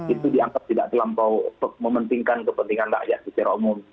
itu dianggap tidak terlampau mementingkan kepentingan rakyat secara umum